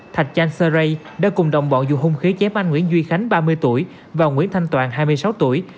thạch chan seray đã cùng đồng bọn dù hung khí chém anh nguyễn duy khánh ba mươi tuổi và nguyễn thanh toàn hai mươi sáu tuổi